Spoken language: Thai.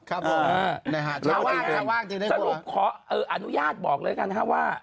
ครับในหาชาวว่างจริงนะครับสรุปขออนุญาตบอกเลยนะครับว่า